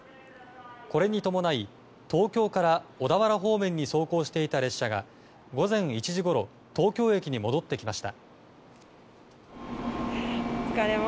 これに伴い、東京から小田原方面に走行していた列車が午前１時ごろ東京駅に戻ってきました。